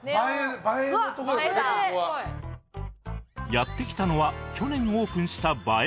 やって来たのは去年オープンした映え